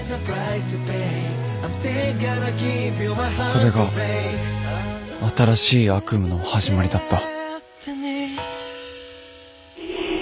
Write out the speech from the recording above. それが新しい悪夢の始まりだった